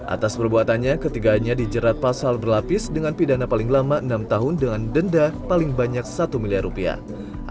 atas perbuatannya ketiganya dijerat pasal berlapis dengan pidana paling lama enam tahun dengan denda paling banyak satu miliar rupiah